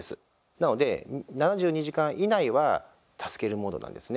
なので７２時間以内は助けるモードなんですね。